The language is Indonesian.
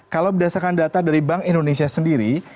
kalau berdasarkan data dari bank indonesia sendiri